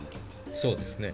そうですね。